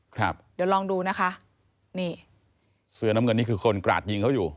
ครับเดี๋ยวลองดูนะคะนี่เสื้อน้ำเงินนี่คือคนกราดยิงเขาอยู่